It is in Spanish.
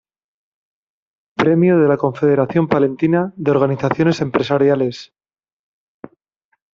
Premio de la Confederación Palentina de Organizaciones Empresariales.